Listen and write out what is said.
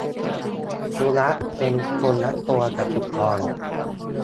สุนัขเป็นคนละตัวกับสุกร